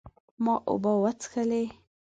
ما اوبه وڅښلې